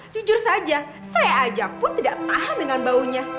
jujur saja saya ajak pun tidak tahan dengan baunya